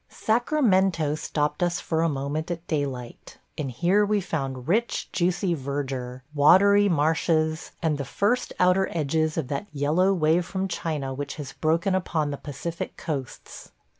Sacramento stopped us for a moment at daylight, and here we found rich, juicy verdure, watery marshes, and the first outer edges of that yellow wave from China which has broken upon the Pacific coasts.